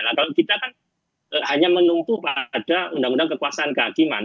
nah kalau kita kan hanya menumpu pada undang undang kekuasaan kehakiman